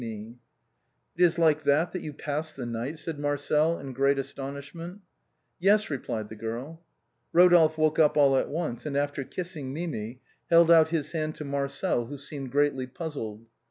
338 THE BOHEMIANS OF THE LATIN QUAPiTER. It is like that that you passed the night ?" said Marcel in great astonishment. " Yes," replied the girl. Rodolphe woke up all at once, and after kissing Mimi, held out his hand to Marcel, who seemed greatly puzzled.